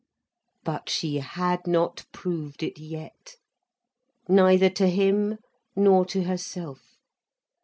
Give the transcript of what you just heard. But she had not proved it yet, neither to him nor to herself.